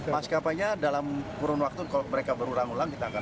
mas kapainya dalam kurun waktu kalau mereka berurang ulang kita akan